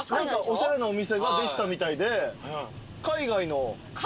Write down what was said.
おしゃれなお店ができたみたいで。